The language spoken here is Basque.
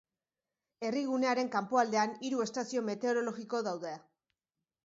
Herrigunearen kanpoaldean hiru estazio meteorologiko daude.